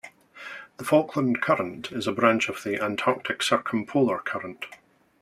The Falkland Current is a branch of the Antarctic Circumpolar Current.